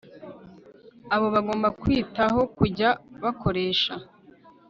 abo bagomba kwitaho kujya bakoresha